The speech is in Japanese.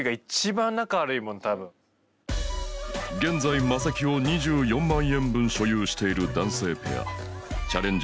現在魔石を２４万円分所有している男性ペアチャレンジ